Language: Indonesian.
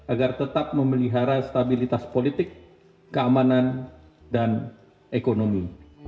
agar tetap memelihara stabilitas politik keamanan dan ekonomi